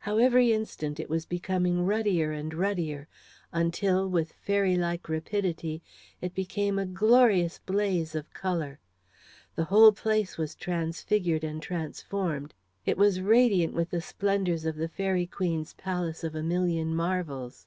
How every instant it was becoming ruddier and ruddier, until, with fairylike rapidity, it became a glorious blaze of colour! The whole place was transfigured and transformed. It was radiant with the splendours of the Fairy Queen's Palace of a Million Marvels.